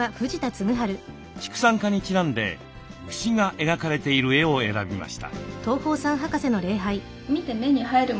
畜産科にちなんで牛が描かれている絵を選びました。